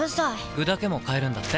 具だけも買えるんだって。